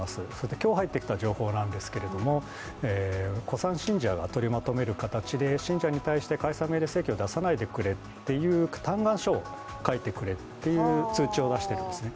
今日は行ってきた情報なんですが、古参信者が取りまとめる形で信者に対して解散命令請求を出さないでくれという嘆願書を書いてくれっていう通知を出しているんですね。